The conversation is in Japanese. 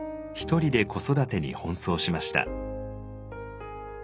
一人で子育てに奔走しました。